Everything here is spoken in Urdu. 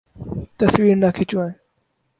تصویر نہ کھنچوان